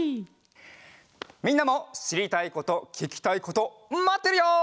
みんなもしりたいことききたいことまってるよ！